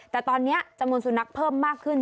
แต่ตอนนี้จำนวนสุนัขเพิ่มมากขึ้น